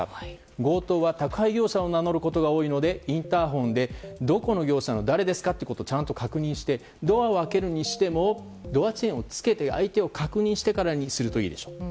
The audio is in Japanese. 強盗は宅配業者を名乗ることが多いのでインターホンでどこの業者の誰ですかとちゃんと確認してドアを開けるにしてもドアチェーンをつけて相手を確認してからにするといいでしょう。